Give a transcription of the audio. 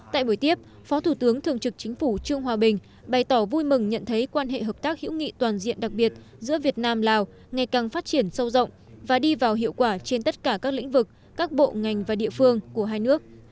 tại buổi tiếp phó thủ tướng thường trực chính phủ trương hòa bình bày tỏ vui mừng nhận thấy quan hệ hợp tác hữu nghị toàn diện đặc biệt giữa việt nam lào ngày càng phát triển sâu rộng và đi vào hiệu quả trên tất cả các lĩnh vực các bộ ngành và địa phương của hai nước